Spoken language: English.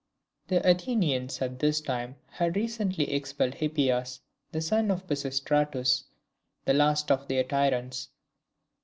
The Athenians at this time had recently expelled Hippias, the son of Pisistratus, the last of their tyrants.